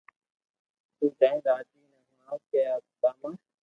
تو جائينن راجي ني ھوڻاو ڪي سوداما